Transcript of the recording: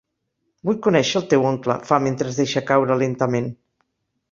Vull conèixer el teu oncle, fa mentre es deixa caure lentament.